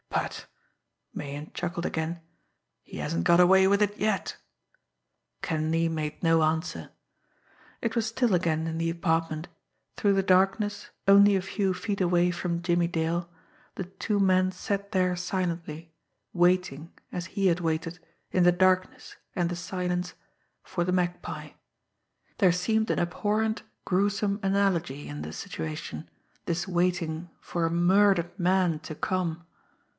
But" Meighan chuckled again "he hasn't got away with it yet!" Kenleigh made no answer. It was still again in the apartment. Through the darkness only a few feet away from Jimmie Dale, the two men sat there silently, waiting, as he had waited, in the darkness, and the silence for the Magpie. There seemed an abhorrent, gruesome analogy in the situation this waiting for a murdered man to come!